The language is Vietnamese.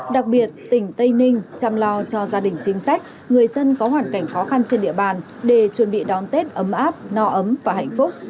đặc biệt tỉnh tây ninh chăm lo cho gia đình chính sách người dân có hoàn cảnh khó khăn trên địa bàn để chuẩn bị đón tết ấm áp no ấm và hạnh phúc